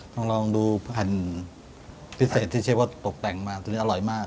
ต้องลองดูผันพิเศษที่เชฟว่าตกแต่งมาอร่อยมาก